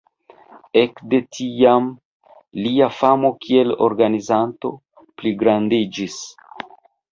Ekde tiam, lia famo kiel organizanto pligrandiĝis.